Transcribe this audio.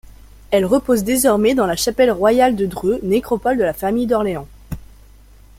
Elle repose désormais dans la Chapelle royale de Dreux, nécropole de la famille d'Orléans.